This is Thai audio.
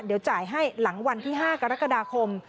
เดี๋ยวจ่ายให้หลังวันที่๕กรกฎาคม